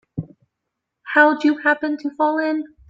How'd you happen to fall in?